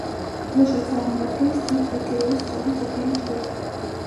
დროშა წარმოადგენს თეთრ ტილოს სწორი წითელი ჯვრით.